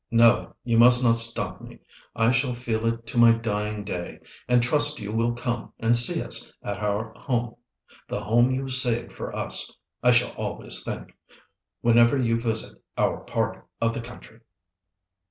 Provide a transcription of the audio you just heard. No, you must not stop me. I shall feel it to my dying day, and I trust you will come and see us at our home—the home you saved for us, I shall always think—whenever you visit our part of the country."